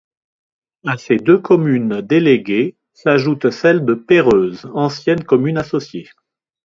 À ces deux communes déléguées, s'ajoute celle de Perreuse, ancienne commune associée.